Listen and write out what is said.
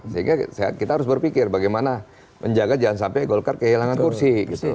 sehingga kita harus berpikir bagaimana menjaga jangan sampai golkar kehilangan kursi